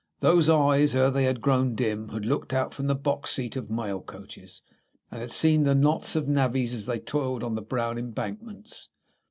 Those eyes, ere they had grown dim, had looked out from the box seat of mail coaches, and had seen the knots of navvies as they toiled on the brown embankments.